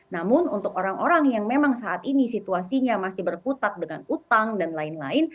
namun untuk orang orang yang memang saat ini situasinya masih berkutat dengan utang dan lain lain